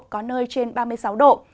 có nơi trên ba mươi sáu độ